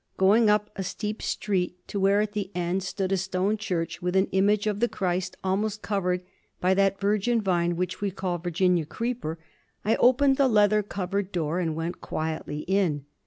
Going up a steep street to where at the top stood a stone church, with an image of the Christ almost covered by that virgin vine which we call Virginia creeper, I opened the leather covered door and went quietly in.